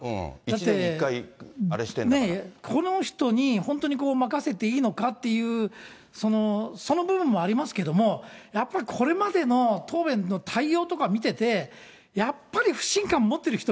１年に１回、この人に本当に任せていいのかっていう、その部分もありますけども、やっぱりこれまでの答弁の対応とか見てて、やっぱり不信感持ってる人